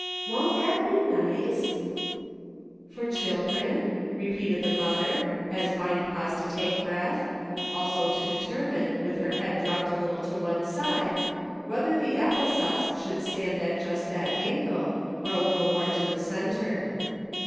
Won't that be nice .•"" For children .'" repeated the mother, as Vine paused to take breath ; also to determine, with her head dropped a little to one side, whether the apple sauce should stand at just that angle, or a little more to the centre.